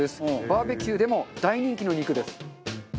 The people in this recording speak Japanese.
バーベキューでも大人気の肉です。